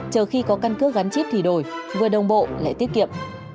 chờ khi có căn cứ gắn chip thì đổi vừa đồng bộ lại tiết kiệm